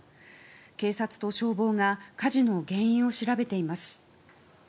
警察と消防が火事の原因を調べています。